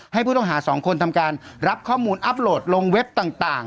ให้ผู้ต้องหา๒คนทำการรับข้อมูลอัพโหลดลงเว็บต่าง